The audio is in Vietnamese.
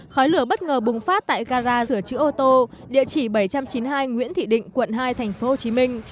khói lửa bất ngờ bùng phát tại gara sửa chữa ô tô địa chỉ bảy trăm chín mươi hai nguyễn thị định quận hai thành phố hồ chí minh